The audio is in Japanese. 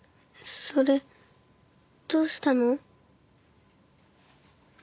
それどうしたの？